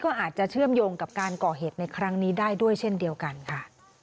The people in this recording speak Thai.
ก็อาจจะเชื่อมโยงกับการก่อเหตุในครั้งนี้ได้ด้วยเช่นเดียวกันค่ะ